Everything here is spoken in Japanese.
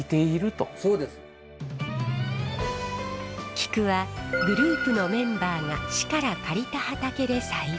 菊はグループのメンバーが市から借りた畑で栽培。